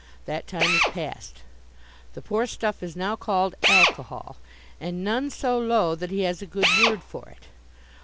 That time is past. The poor stuff is now called alcohol, and none so low that he has a good word for it.